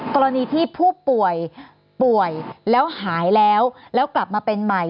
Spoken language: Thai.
กรณีที่ผู้ป่วยป่วยแล้วหายแล้วแล้วกลับมาเป็นใหม่